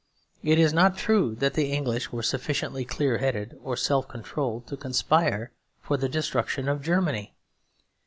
It is not true that the English were sufficiently clearheaded or self controlled to conspire for the destruction of Germany.